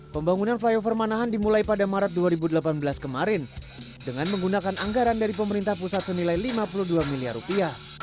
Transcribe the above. pembangunan flyover manahan dimulai pada maret dua ribu delapan belas kemarin dengan menggunakan anggaran dari pemerintah pusat senilai lima puluh dua miliar rupiah